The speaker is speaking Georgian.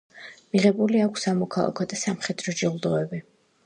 მიღებული აქვს სამოქალაქო და სამხედრო ჯილდოები.